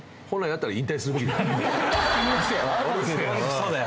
そうだよ。